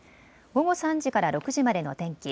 午後３時から６時までの天気。